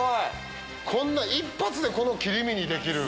こんな一発でこの切り身にできる。